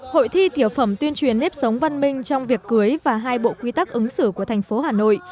hội thi tiểu phẩm tuyên truyền nếp sống văn minh trong việc cưới và hai bộ quy tắc ứng xử của thành phố hà nội